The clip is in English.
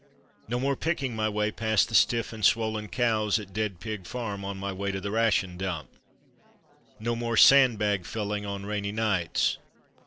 No more picking my way past the stiff and swollen cows at Dead Pig Farm, on my way to the ration dump. No more sand bag filling on rainy nights.